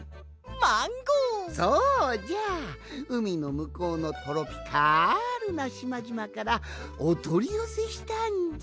そうじゃうみのむこうのトロピカルなしまじまからおとりよせしたんじゃ。